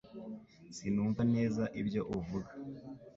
Sinumva neza ibyo uvuga